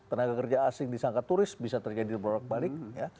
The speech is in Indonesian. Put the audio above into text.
tenaga kerja asing disangka turis bisa terjadi bolak balik